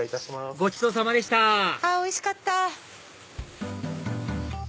ごちそうさまでしたあおいしかった！